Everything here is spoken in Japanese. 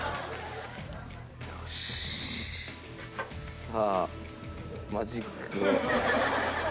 さあマジックを。